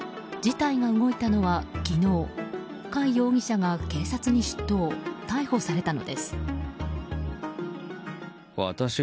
事態が動いたのは昨日貝容疑者が警察に出頭逮捕されたのです。